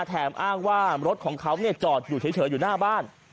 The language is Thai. อ้างว่ารถของเขาจอดอยู่เฉยอยู่หน้าบ้าน